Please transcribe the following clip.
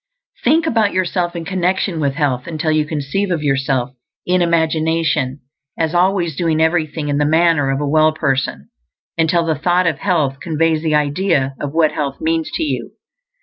Think about yourself in connection with health until you conceive of yourself, in imagination, as always doing everything in the manner of a well person; until the thought of health conveys the idea of what health means to you.